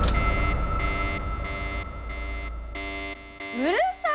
うるさい！